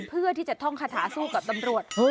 เพื่อที่จะท่องคาถาสู้กับตำรวจ